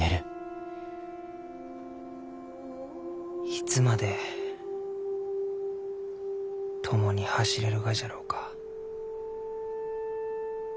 いつまで共に走れるがじゃろうか？